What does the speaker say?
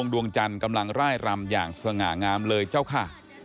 ดวงจันทร์กำลังร่ายรำอย่างสง่างามเลยเจ้าค่ะ